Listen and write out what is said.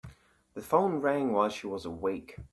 The phone rang while she was awake.